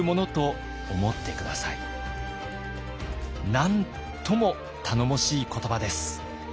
なんとも頼もしい言葉です。